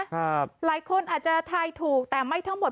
หลายคนอาจจะทายถูกแต่ไม่ทั้งหมด